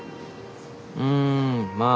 うんまあ